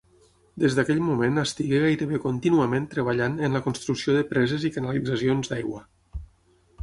Des d'aquell moment estigué gairebé contínuament treballant en la construcció de preses i canalitzacions d'aigua.